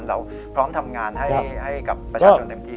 เราพร้อมทำงานให้กับประชาชนเต็มที่